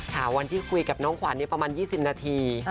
หาวันที่คุยกับน้องขวัญประมาณ๒๐นาที